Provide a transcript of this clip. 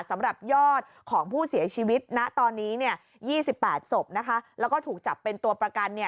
สำหรับยอดของผู้เสียชีวิตณตอนนี้๒๘ศพแล้วก็ถูกจับเป็นตัวประกัน